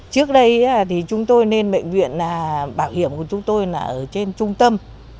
trước đây thì chúng tôi nên bệnh viện bảo hiểm của chúng tôi là ở trên trung tâm